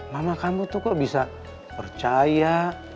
mama kamu tuh kok bisa percaya